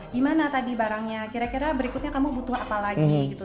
gimana tadi barangnya kira kira berikutnya kamu butuh apa lagi gitu